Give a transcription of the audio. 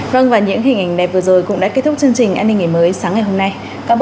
vâng và những hình ảnh đẹp vừa rồi cũng đã kết thúc chương trình an ninh ngày mới sáng ngày hôm nay